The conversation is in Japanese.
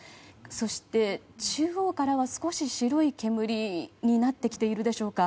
そして、中央からは少し白い煙になってきているでしょうか。